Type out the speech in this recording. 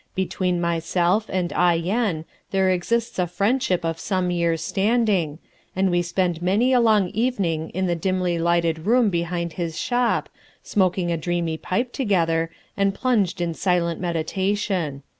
Between myself and Ah Yen there exists a friendship of some years' standing, and we spend many a long evening in the dimly lighted room behind his shop, smoking a dreamy pipe together and plunged in silent meditation.